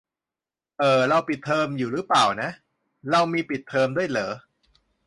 เอ่อ เราปิดเทอมอยู่รึเปล่าอ่ะ เรามีปิดเทอมด้วยเหรอ ?